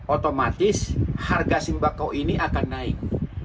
otomatis harga sembako ini akan naik